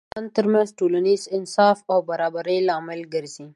خلافت د مسلمانانو ترمنځ د ټولنیز انصاف او برابري لامل ګرځي.